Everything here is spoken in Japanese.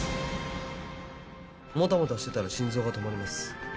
「もたもたしてたら心臓が止まります」